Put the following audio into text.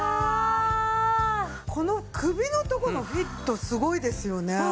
この首のとこのフィットすごいですよね。